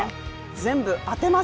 全部当てます！